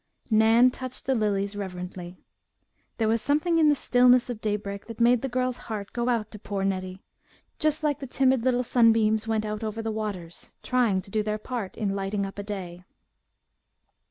Nan touched the lilies reverently. There was something in the stillness of daybreak that made the girl's heart go out to poor Nettie, just like the timid little sunbeams went out over the waters, trying to do their small part in lighting up a day.